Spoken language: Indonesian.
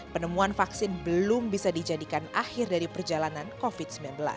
penemuan vaksin belum bisa dijadikan akhir dari perjalanan covid sembilan belas